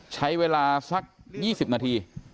ใช้เวลาสัก๒๐นาที